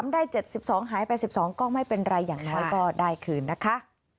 ได้๗๒หายไป๑๒ก็ไม่เป็นไรอย่างน้อยก็ได้คืนนะคะ